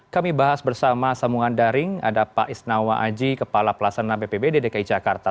kami bahas bersama sambungan daring ada pak isnawa aji kepala pelasana bpbd dki jakarta